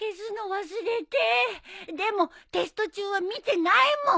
でもテスト中は見てないもん。